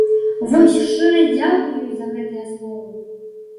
Вось шчыры дзякуй ёй за гэтыя словы!